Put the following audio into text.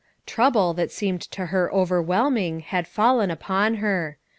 Trouble that seemed to lier overwhelming bad fallen upon her.